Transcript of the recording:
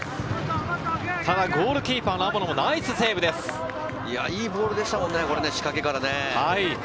ただゴールキーパーの天野もナイスセいいボールでしたもんね、仕掛けからね。